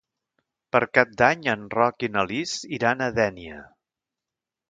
Per Cap d'Any en Roc i na Lis iran a Dénia.